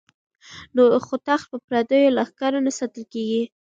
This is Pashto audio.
خو تخت په پردیو لښکرو نه ساتل کیږي.